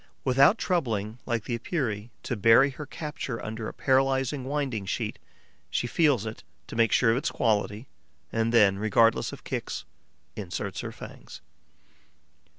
Without troubling, like the Epeirae, to bury her capture under a paralysing winding sheet, she feels it, to make sure of its quality, and then, regardless of kicks, inserts her fangs.